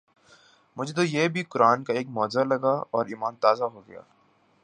مجھے تو یہ بھی قرآن کا ایک معجزہ لگا اور ایمان تازہ ہوگیا